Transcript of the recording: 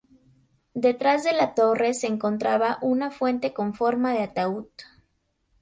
Detrás de la torre se encontraba una fuente con forma de ataúd.